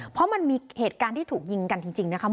เพราะมันมีเหตุการณ์ที่ถูกยิงกันจริงนะคะ